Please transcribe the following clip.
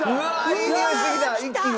いいにおいしてきた一気に。